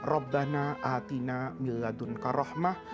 rokbanah a'tina milladun karohmah